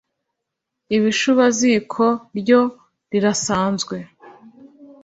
ibishubaziko ryo rirasanzwe,